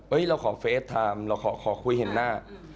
เราขอเฟสไทม์เราขอคุยเห็นหน้า